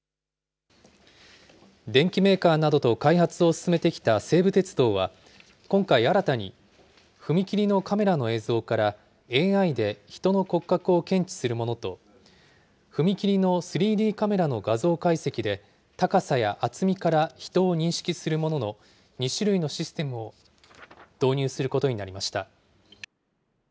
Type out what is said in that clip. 電機メーカーなどと開発を進めてきた西武鉄道は、今回、新たに踏切のカメラの映像から、ＡＩで人の骨格を検知するものと、踏切の３Ｄカメラの画像解析で、高さや厚みから人を認識するものの２種類のシステムを導入することになりました。